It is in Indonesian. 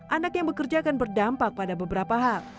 anak yang bekerja akan berdampak pada beberapa hal